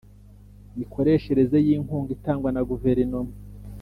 mikoreshereze y inkunga itangwa na Guverinoma